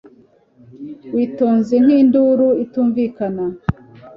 Witonze nkinduru itumvikana